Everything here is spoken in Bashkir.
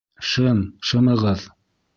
Шым, шымығыҙ!